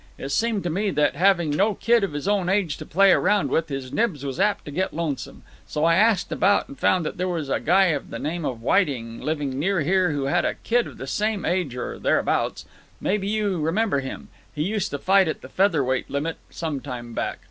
It seemed to me that, having no kid of his own age to play around with, his nibs was apt to get lonesome, so I asked about and found that there was a guy of the name of Whiting living near here who had a kid of the same age or thereabouts. Maybe you remember him? He used to fight at the feather weight limit some time back.